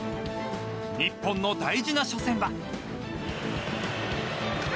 日本の大事な初戦は。